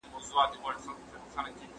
خپلوي